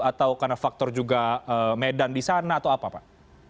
atau karena faktor juga medan di sana atau apa pak